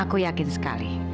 aku yakin sekali